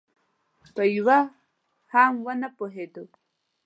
په یوه هم ونه پوهېدو.